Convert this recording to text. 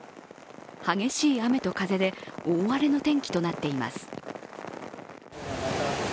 激しい雨と風で大荒れの天気となっています。